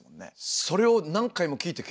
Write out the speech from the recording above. それを何回も聴いて研究する？